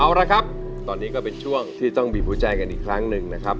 เอาละครับตอนนี้ก็เป็นช่วงที่ต้องบีบหัวใจกันอีกครั้งหนึ่งนะครับ